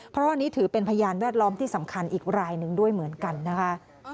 เพราะว่าอันนี้ถือเป็นพยานแวดล้อมที่สำคัญอีกรายหนึ่งด้วยเหมือนกันนะคะ